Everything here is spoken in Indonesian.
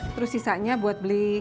terus sisanya buat beli